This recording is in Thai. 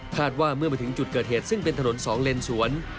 ว่าเมื่อมาถึงจุดเกิดเหตุซึ่งเป็นถนนสองเลนสวน